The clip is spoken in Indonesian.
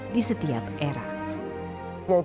di setiap era